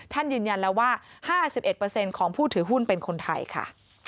ยืนยันแล้วว่า๕๑ของผู้ถือหุ้นเป็นคนไทยค่ะ